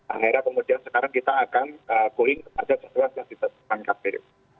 akhirnya kemudian sekarang kita akan going kepada jadwal yang ditetapkan kpu